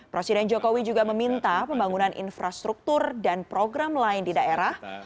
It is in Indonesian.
presiden jokowi juga meminta pembangunan infrastruktur dan program lain di daerah